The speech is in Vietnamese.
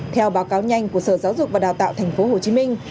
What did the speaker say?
theo báo cáo nhanh của sở giáo dục và đào tạo thành phố hồ chí minh